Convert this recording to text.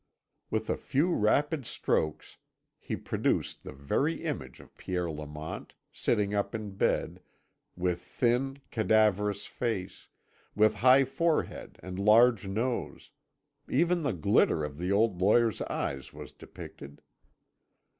With a few rapid strokes he produced the very image of Pierre Lamont, sitting up in bed, with thin, cadaverous face, with high forehead and large nose; even the glitter of the old lawyer's eyes was depicted.